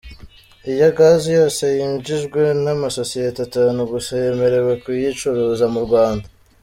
Iyo gazi yose yinjijwe n’amasosiyete atanu gusa yemerewe kuyicuruza mu Rwanda.